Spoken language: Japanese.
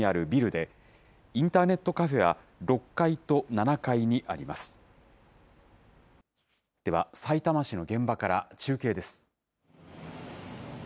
では、さいたま市の現場から中継です。